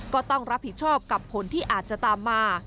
ก็ต้องรับผิดชอบกับผลที่อาจจะตามมา